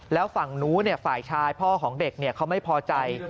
แล้วฝั่งนู้นฝ่ายชายพ่อของเด็กเขาไม่พอใจ